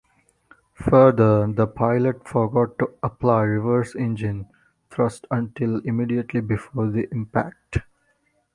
Further, the pilot forgot to apply reverse engine thrust until immediately before impact.